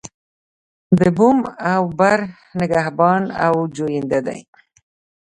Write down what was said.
د بوم او بر نگهبان او جوینده دی.